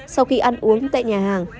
sau khi ăn uống tại nhà hàng